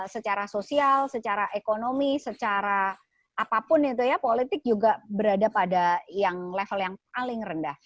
secara sosial secara ekonomi secara apapun itu ya politik juga berada pada yang level yang paling rendah